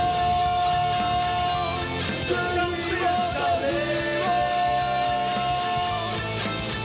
ไม่ว่าจะเป็นเงินละวันฮีโร่๕๐๐๐บาท